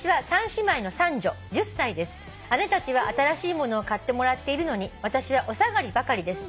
「姉たちは新しいものを買ってもらっているのに私はお下がりばかりです。